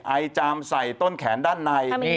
ไอจามใส่ต้นแขนด้านใน